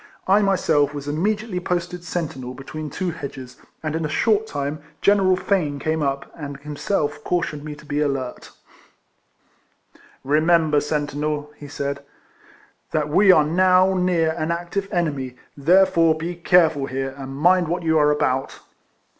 I myself was immediately posted sentinel between two hedges, and in a short time General Fane came up, and himself cautioned me to be alert. c 2 28 RECOLLECTIONS OF " Remember, sentinel," lie said, " that wo are now near an active enemy ; therefore bo careful here, and mind what you are about."